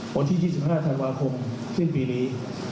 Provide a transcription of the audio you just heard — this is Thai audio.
วันที่๒๕ธันวาคมสิ้นปีนี้